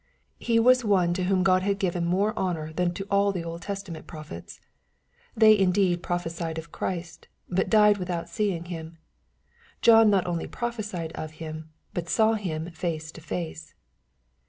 He was one to whom God had given more honor than to all the Old Testament prophets. They indeed. pro phecied of Christ, but died without seeing Him. John not only prophecied of Him, but saw Him face to face.